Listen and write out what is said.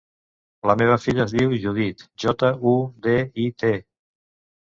La meva filla es diu Judit: jota, u, de, i, te.